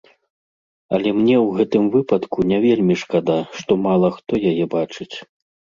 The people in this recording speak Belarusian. Але мне ў гэтым выпадку не вельмі шкада, што мала хто яе бачыць.